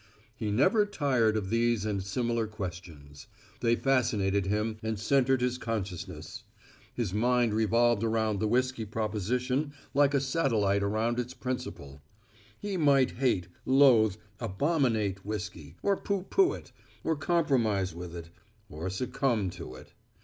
He never tired of these and similar questions. They fascinated him and centered his consciousness. His mind revolved around the whiskey proposition like a satellite around its principal. He might hate, loathe, abominate whiskey, or pooh pooh it, or compromise with it, or succumb to it.